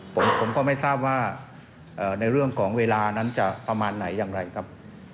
ผมก็ไม่ทราบว่าในเรื่องของเวลานั้นจะประมาณไหนอย่างไรครับ